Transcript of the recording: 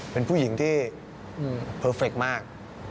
เป็นผู้หญิงที่เพอร์เฟคมาก